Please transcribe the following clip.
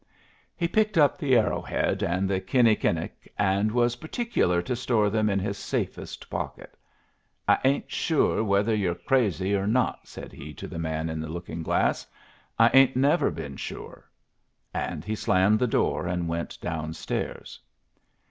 He picked up the arrow head and the kinni kinnic, and was particular to store them in his safest pocket. "I ain't sure whether you're crazy or not," said he to the man in the looking glass. "I ain't never been sure." And he slammed the door and went down stairs.